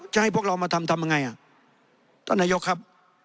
จะให้พวกเรามาทำทำไงอ่ะต้นโยคครับ